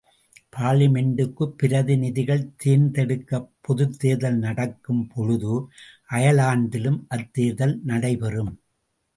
பார்லிமென்டுக்குப் பிரதிநிதிகள் தேர்தெடுக்கப் பொதுத் தேர்தல் நடக்கும் பொழுது, அயர்லாந்திலும் அத்தேர்தல் நடைபெறும்.